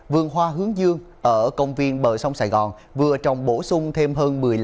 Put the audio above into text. vườn hoa hướng dương ở công viên bờ sông sài gòn vừa trồng bổ sung thêm hơn